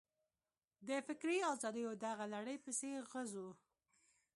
د فکري ازادیو دغه لړۍ پسې غځوو.